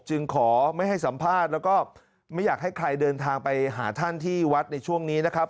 จึงขอไม่ให้สัมภาษณ์แล้วก็ไม่อยากให้ใครเดินทางไปหาท่านที่วัดในช่วงนี้นะครับ